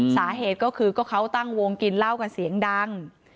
สาเหตุก็คือก็เขาตั้งวงกินเหล้ากันเสียงดัง